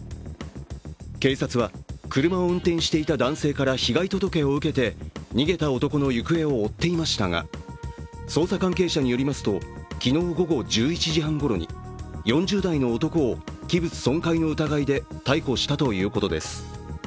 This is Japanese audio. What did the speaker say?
警察は車を運転していた男性から被害届を受けて逃げた男の行方を追っていましたが、捜査関係者によりますと昨日午後１１時半ごろに４０代の男を器物損壊の疑いで逮捕したということです。